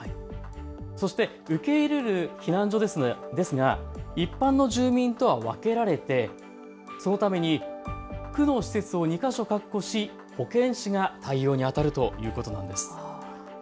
そして受け入れる避難所ですが一般の住民とは分けられてそのために区の施設を２か所確保し保健師が対応にあたるということなんです。